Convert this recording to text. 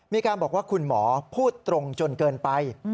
มีการบอกว่าคุณหมอพูดตรงจนเกินไป